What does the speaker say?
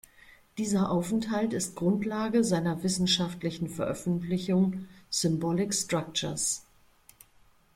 Dieser Aufenthalt ist Grundlage seiner wissenschaftlichen Veröffentlichung "Symbolic structures.